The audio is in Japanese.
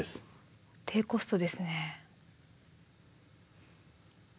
低コストですね。